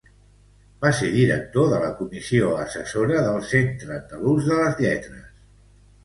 Va ser director de la Comissió Assessora del Centre Andalús de les Lletres.